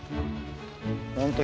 本当